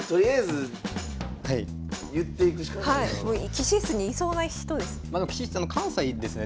棋士室にいそうな人ですね。